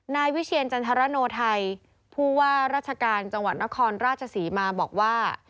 นายวิเชียรจันทรโนไทยผู้ว่าราชการจังหวัดนครราชศรีมาบอกว่า